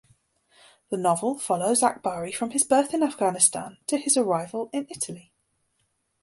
The novel follows Akbari from his birth in Afghanistan to his arrival in Italy.